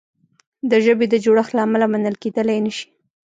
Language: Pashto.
د ژبې د جوړښت له امله منل کیدلای نه شي.